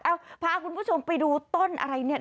เอาพาคุณผู้ชมไปดูต้นอะไรเนี่ย